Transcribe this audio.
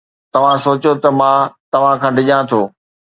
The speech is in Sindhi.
توهان سوچيو ته مان توهان کان ڊڄان ٿو؟